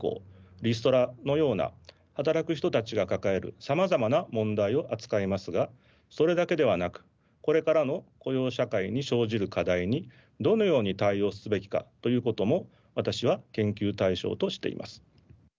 リストラのような働く人たちが抱えるさまざまな問題を扱いますがそれだけではなくこれからの雇用社会に生じる課題にどのように対応すべきかということも私は研究対象としています。